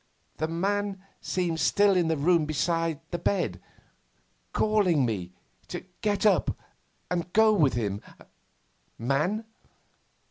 The man seemed still in the room beside the bed, calling me to get up and go with him ' 'Man!